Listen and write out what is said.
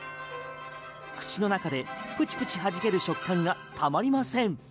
口の中でプチプチはじける食感がたまりません。